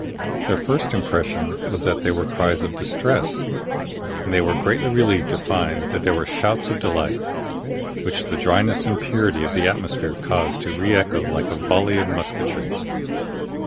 Their first impression was that they were cries of distress, and they were greatly relieved to find that they were shouts of delight, which the dryness and purity of the atmosphere caused to re echo like a volley of musketry.